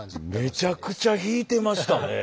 めちゃくちゃ引いてましたね。